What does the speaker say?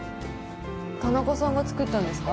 田中さんが作ったんですか？